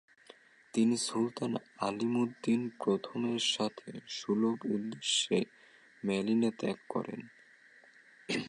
তিনি সুলতান আলিমুদ্দিন প্রথমের সাথে সুলুর উদ্দেশ্যে ম্যানিলা ত্যাগ করেন।